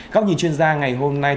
các nhìn chuyên gia ngày hôm nay